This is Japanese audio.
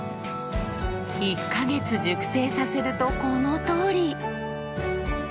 １か月熟成させるとこのとおり！